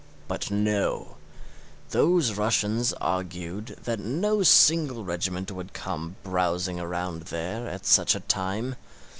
But no; those Russians argued that no single regiment would come browsing around there at such a time.